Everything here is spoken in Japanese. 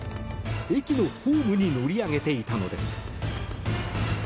駅のホームに乗り上げていたのです。